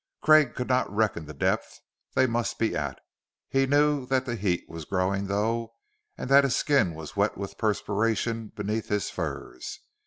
Craig could not reckon the depth they must be at; he knew that the heat was growing, though, and that his skin was wet with perspiration beneath his furs.